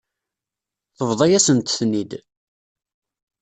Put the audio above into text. Tebḍa-yasent-ten-id.